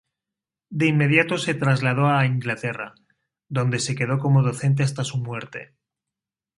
De inmediato se trasladó a Inglaterra, donde se quedó como docente hasta su muerte.